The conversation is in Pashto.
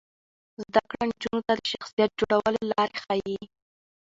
زده کړه نجونو ته د شخصیت جوړولو لارې ښيي.